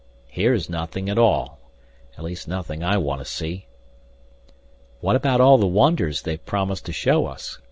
Here's nothing at all at least nothing I want to see." "What about all the wonders they've promised to show us?"